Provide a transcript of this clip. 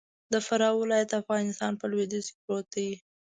د فراه ولايت د افغانستان په لویدیځ کی پروت دې.